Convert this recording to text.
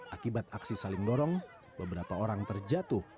akibat aksi saling dorong beberapa orang terjatuh